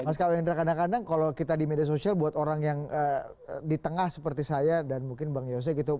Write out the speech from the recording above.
mas kawendra kadang kadang kalau kita di media sosial buat orang yang di tengah seperti saya dan mungkin bang yose gitu